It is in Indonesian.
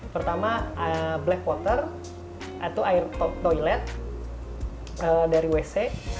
pertama black water atau air toilet dari wc